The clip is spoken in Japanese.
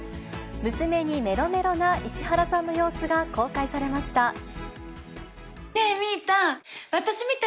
娘にめろめろな石原さんの様子が公開されました。